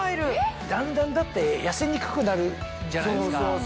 だんだんだって痩せにくくなるじゃないですか